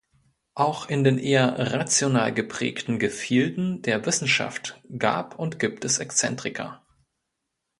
Auch in den eher rational geprägten Gefilden der Wissenschaft gab und gibt es Exzentriker.